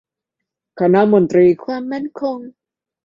คณะมนตรีความมั่นคง